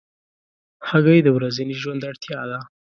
هګۍ د ورځني ژوند اړتیا ده.